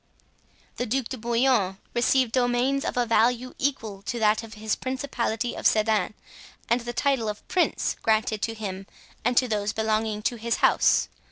The Duc de Bouillon received domains of a value equal to that of his principality of Sedan, and the title of prince, granted to him and to those belonging to his house.